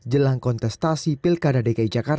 jangan lupa untuk berlangganan di instagram